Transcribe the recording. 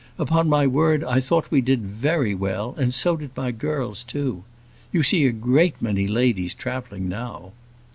Upon my word, I thought we did very well, and so did my girls, too. You see a great many ladies travelling now."